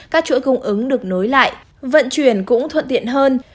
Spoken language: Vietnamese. các chuỗi cung ứng được nối lại vận chuyển cũng thuận tiện hơn